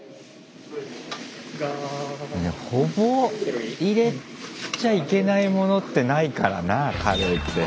ほぼ入れちゃいけないものってないからなカレーって。